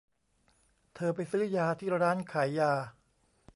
เธอไปซื้อยาที่ร้านขายยา